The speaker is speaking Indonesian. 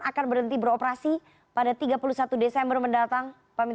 akan berhenti beroperasi pada tiga puluh satu desember mendatang